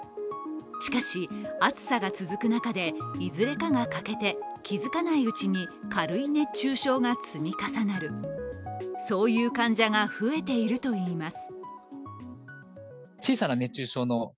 しかし、暑さが続く中で、いずれかが欠けて気づかないうちに軽い熱中症が積み重なるそういう患者が増えているといいます。